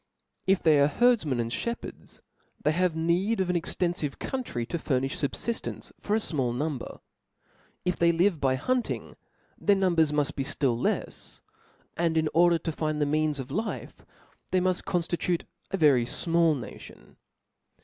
If they are herdfmen and (hepherds, they have need of an exteniive country to furnifh fubfjftence for a fmall number ; if they live by hunting, their number muft b^ ftill lefs, and in order to find the means of life, they muft conftitute a very fmall nation.